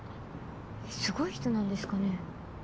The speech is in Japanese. すごい人なんですかね。